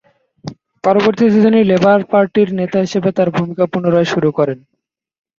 পরবর্তীতে তিনি লেবার পার্টির নেতা হিসেবে তার ভূমিকা পুনরায় শুরু করেন।